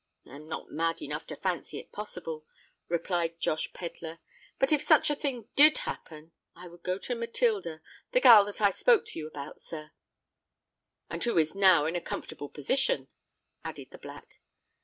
"I am not mad enough to fancy it possible," replied Josh Pedler. "But if such a thing did happen, I would go to Matilda—the gal that I spoke to you about, sir——" "And who is now in a comfortable position," added the Black.